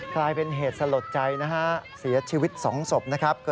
กลายเป็นเหตุสลดใจนะฮะเสียชีวิต๒ศพนะครับ